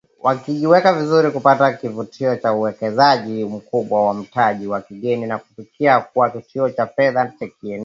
wakijiweka vizuri kupata kivutio cha uwekezaji mkubwa wa mtaji wa kigeni na kufikia kuwa kituo cha fedha cha kieneo